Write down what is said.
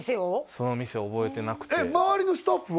その店を覚えてなくて周りのスタッフは？